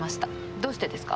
どうしてですか？